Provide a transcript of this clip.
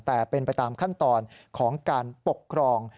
แต่เป็นไปตามขั้นตอนของการปกครอง